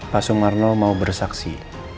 pak soemarno mau bersaksi